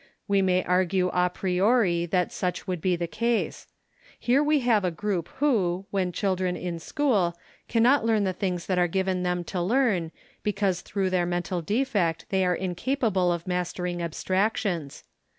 We may argue a priori that such would be the case. Here we have a group who, when children in school, cannot learn the things that are given them to learn, because through their mental defect, they are incapable of mastering abstractions.